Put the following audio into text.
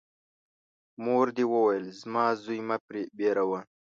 مور دي وویل : زما زوی مه بېروه!